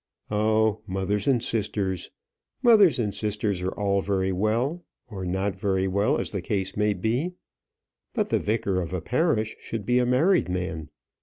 "Oh, mother and sisters! Mother and sisters are all very well, or not very well, as the case may be; but the vicar of a parish should be a married man.